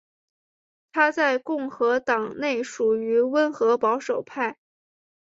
他在共和党内属于温和保守派。